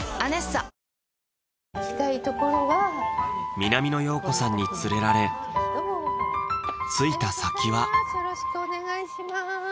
南野陽子さんに連れられ着いた先はよろしくお願いします